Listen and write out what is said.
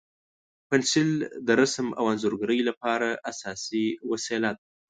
پنسل د رسم او انځورګرۍ لپاره اساسي وسیله ده.